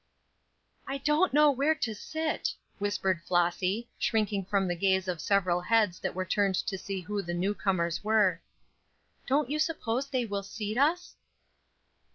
"I don't know where to sit," whispered Flossy, shrinking from the gaze of several heads that were turned to see who the new comers were. "Don't you suppose they will seat us?"